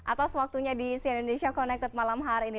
atas waktunya di sian indonesia connected malam hari ini